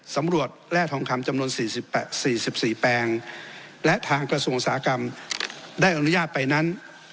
สำรวจแร่ทองคำจำนวน๔๔แปลงและทางกระทรวงอุตสาหกรรมได้อนุญาตไปนั้น